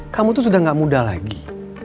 kamu tuh sudah gak muda lagi